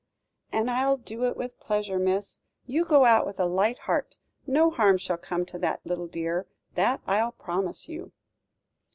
"And I'll do it with pleasure, miss. You go out with a light heart; no harm shall come to that little dear, that I'll promise you."